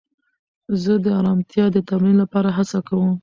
زه د ارامتیا د تمرین لپاره هڅه کوم.